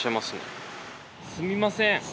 すみません。